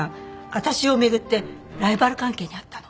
私を巡ってライバル関係にあったの。